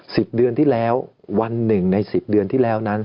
เดือนที่แล้ววันหนึ่งในสิบเดือนที่แล้วนั้น